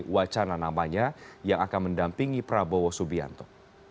wacana namanya yang akan mendampingi prabowo subianto